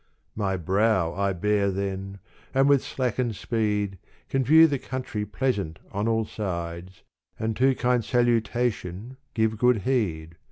My brow I bare then and with slackened speed Can view the country pleasant on all sides And to kind salutation give good heed.